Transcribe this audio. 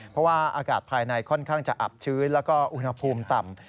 เพราะว่าอากาศภายในค่อนข้างจะอับชื้นแล้วก็อุณหภูมิต่ำ